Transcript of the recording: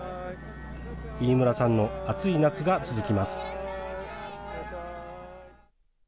飯村さんの暑い夏が続きます。